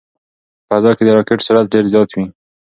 په فضا کې د راکټ سرعت ډېر زیات وي.